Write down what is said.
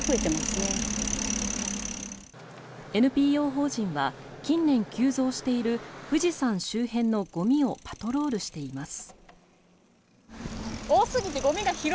ＮＰＯ法人は近年急増している富士山周辺のゴミをパトロールしています。